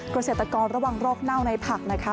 เกษตรกรระวังโรคเน่าในผักนะคะ